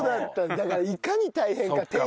だからいかに大変か手入れが。